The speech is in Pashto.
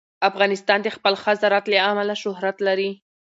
افغانستان د خپل ښه زراعت له امله شهرت لري.